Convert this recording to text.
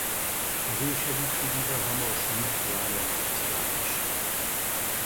Az ő segítségével hamarosan megtalálja Malackát is.